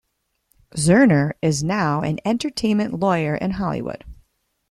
Zerner is now an entertainment lawyer in Hollywood.